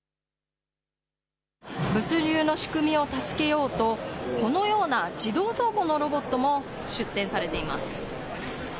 物流の仕組みを助けようと、このような自動走行のロボットも出展されています。